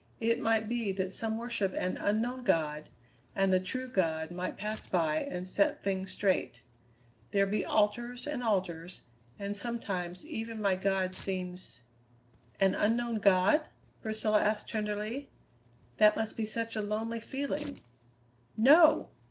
"It might be that some worship an Unknown God and the true God might pass by and set things straight. There be altars and altars, and sometimes even my God seems " "An Unknown God?" Priscilla asked tenderly. "That must be such a lonely feeling." "No!"